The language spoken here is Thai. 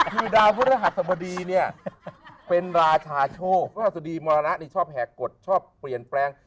คือดาวพุทธหัสบดีเป็นราชาโชภ่าสุดีมรณนะนี่ชอบแหกดชอบเปลี่ยนแปลง